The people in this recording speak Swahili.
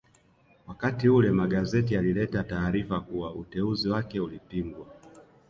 Wakati ule magazeti yalileta taarifa kuwa uteuzi wake ulipingwa